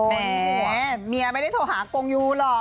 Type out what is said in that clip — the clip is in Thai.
แม่เมียไม่ได้โทรหากงยูหรอก